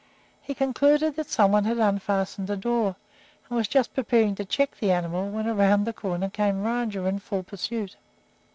He concluded that some one had unfastened the door, and was just preparing to check the animal, when around the curve came Rajah in full pursuit.